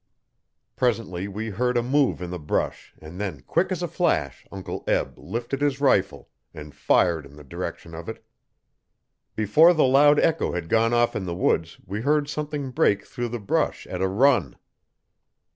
Presently we heard a move in the brush and then quick as a flash Uncle Eb lifted his rifle and fired in the direction of it Before the loud echo had gone off in the woods we heard something break through the brush at a run.